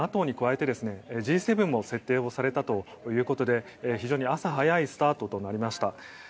ＮＡＴＯに加えてＧ７も設定されたということで非常に朝早いスタートとなりました。